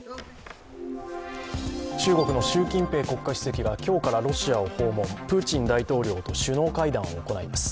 中国の習近平国家主席が今日からロシアを訪問、プーチン大統領と首脳会談を行います。